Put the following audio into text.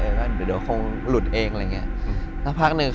เออก็เดี๋ยวเดี๋ยวคงหลุดเองอะไรอย่างเงี้ยแล้วพักหนึ่งค่อย